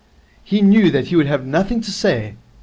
He knew that he would have nothing to say.